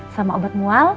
sama obat mual